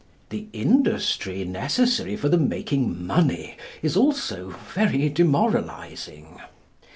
The industry necessary for the making money is also very demoralising.